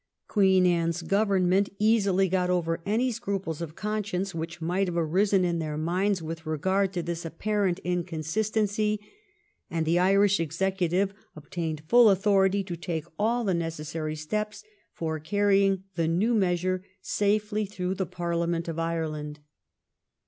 Queen Anne's Government easily got over any scruples of conscience which might have arisen in their minds with regard to this apparent inconsistency, and the Irish executive obtained full authority to take all the necessary steps for carrying the new measure safely through the Parliament of Ireland.